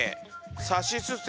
「さしすせ」